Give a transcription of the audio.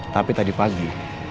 tapi tadi pagi